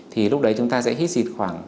thì lúc đấy chúng ta sẽ hít xịt khoảng